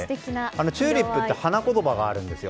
チューリップって花言葉があるんですよ。